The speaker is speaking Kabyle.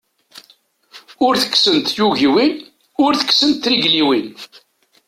Ur tekksent tyugiwin, ur tekksent trigliwin.